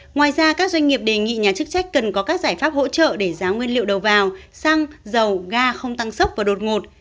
ngoài ra các doanh nghiệp đề nghị nhà chức trách cần có các giải pháp hỗ trợ để giá nguyên liệu đầu vào xăng dầu ga không tăng sốc và đột ngột